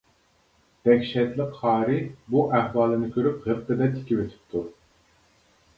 دەھشەتلىك قارى بۇ ئەھۋالىنى كۆرۈپ غىپپىدە تىكىۋېتىپتۇ.